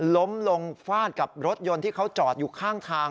ล้มลงฟาดกับรถยนต์ที่เขาจอดอยู่ข้างทาง